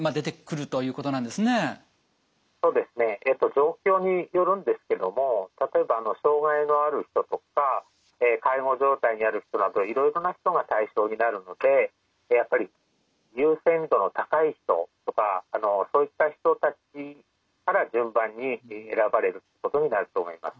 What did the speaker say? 状況によるんですけども例えば障害のある人とか介護状態にある人などいろいろな人が対象になるのでやっぱり優先度の高い人とかそういった人たちから順番に選ばれることになると思います。